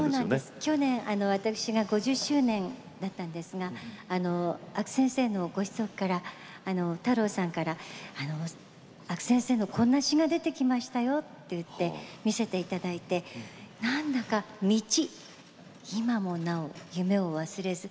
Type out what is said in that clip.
去年私が５０周年だったんですが阿久先生のご子息から太郎さんから阿久先生のこんな詞が出てきましたよと言って見せて頂いてなんだか「みち今もなお夢を忘れず」